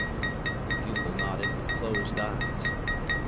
The pupil nodded with closed eyes.